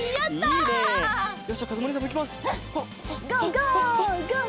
ゴーゴー！